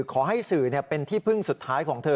ขอให้สื่อเป็นที่พึ่งสุดท้ายของเธอ